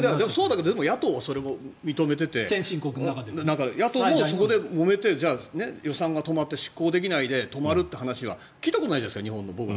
でも、野党はそれも認めていて野党もそこでもめて予算が止まって、執行できないで止まるという話は聞いたことないじゃないですか。